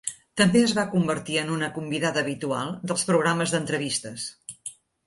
També es va convertir en una convidada habitual dels programes d'entrevistes.